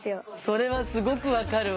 それはすごくわかるわ。